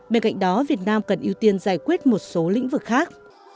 bên cạnh đó việt nam cần ưu tiên giải quyết một số lĩnh vực khác